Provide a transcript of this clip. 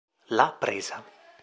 La Presa